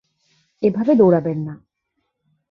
এভাবে দৌঁড়াবেন না।